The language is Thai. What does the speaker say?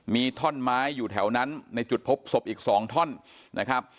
มีท่อนไม้อยู่แถวนั้นในจุดพบศพอีก๒ท่อนนะครับ